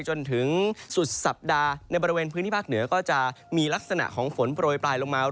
จนถึงที่สุดสัปดาห์ในบริเวณพื้นที่ฝักเหนือง่ย์ก็จะมีลักษณะของฝนปลวยปลายลงมาน้ำ